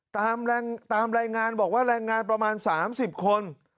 ตามแรงตามแรงงานบอกว่าแรงงานประมาณสามสิบคน